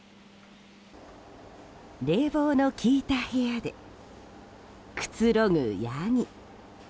冷房の効いた部屋でくつろぐヤギ。